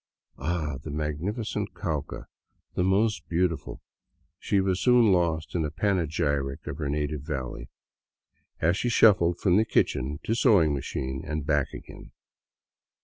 Ah, the magnificent Cauca, the most beauti ful. ... She was soon lost in a panegyric of her native valley, as she shuffled from kitchen to sewing machine and back again.